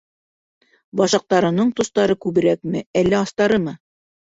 Башаҡтарының тостары күберәкме әллә астарымы?